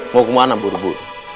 mau kemana burbu